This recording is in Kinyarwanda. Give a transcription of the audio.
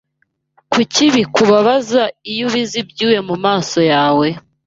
Kuki bikubabaza iyo ubize ibyuya mumaso yawe?